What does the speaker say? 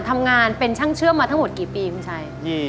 ทำงานเป็นช่างเชื่อมมาทั้งหมดกี่ปีคุณชัย